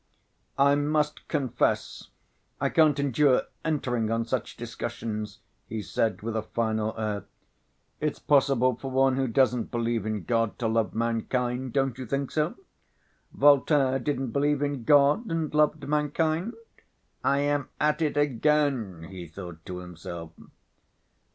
"I must confess I can't endure entering on such discussions," he said with a final air. "It's possible for one who doesn't believe in God to love mankind, don't you think so? Voltaire didn't believe in God and loved mankind?" ("I am at it again," he thought to himself.)